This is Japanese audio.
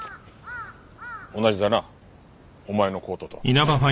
同じだなお前のコートと。